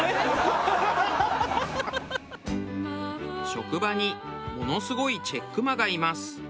職場にものすごいチェック魔がいます。